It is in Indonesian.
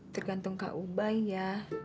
tergantung ke ubay ya